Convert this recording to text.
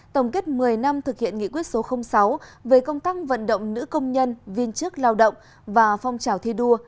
tổng kết một mươi năm thực hiện nghị quyết số sáu về công tác vận động nữ công nhân viên chức lao động và phong trào thi đua